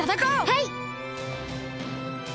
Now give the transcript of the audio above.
はい！